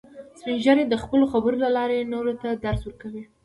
سپین ږیری د خپلو خبرو له لارې نورو ته درس ورکوي